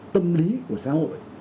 tâm lý của xã hội